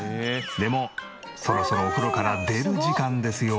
でもそろそろお風呂から出る時間ですよ。